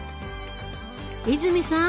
泉さん